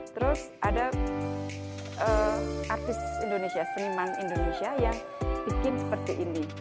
terus ada artis indonesia seniman indonesia yang bikin seperti ini